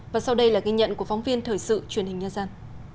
và sau đây là ghi nhận của phóng viên thời sự truyền hình nhân dân